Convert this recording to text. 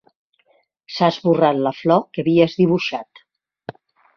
S'ha esborrat la flor que havies dibuixat.